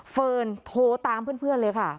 เฟิร์นโทรตามเพื่อนเลยค่ะ